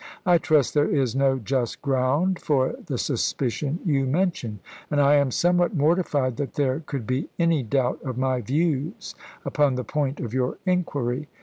I trust there is no just ground for the suspicion you mention; and I am somewhat mortified that there could be any doubt of my views upon the point of your inquiry.